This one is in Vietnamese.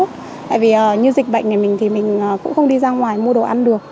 tại vì như dịch bệnh này mình thì mình cũng không đi ra ngoài mua đồ ăn được